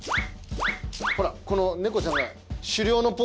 ほらこの猫ちゃんが。